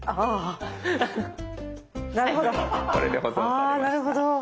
あなるほど。